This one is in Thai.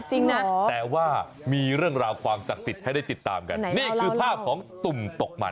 จริงนะแต่ว่ามีเรื่องราวความศักดิ์สิทธิ์ให้ได้ติดตามกันนี่คือภาพของตุ่มตกใหม่